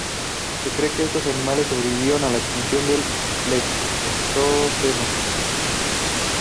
Se cree que estos animales sobrevivieron a la extinción del Pleistoceno.